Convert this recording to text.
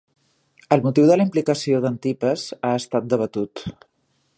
El motiu de la implicació d'Antipes ha estat debatut.